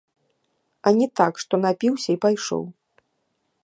А не так, што напіўся і пайшоў.